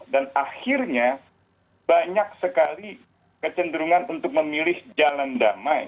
dan akhirnya banyak sekali kecenderungan untuk memilih jalan damai